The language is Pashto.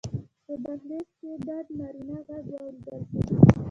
په دهلېز کې ډډ نارينه غږ واورېدل شو: